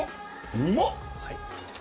うまっ！